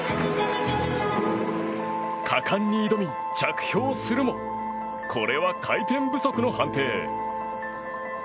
果敢に挑み、着氷するもこれは回転不足の判定。